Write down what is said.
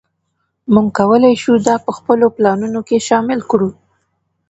موږ کولی شو دا په خپلو پلانونو کې شامل کړو